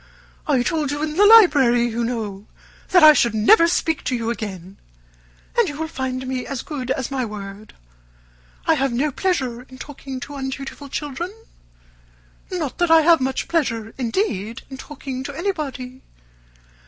I told you in the library, you know, that I should never speak to you again, and you will find me as good as my word. I have no pleasure in talking to undutiful children. Not that I have much pleasure, indeed, in talking to anybody.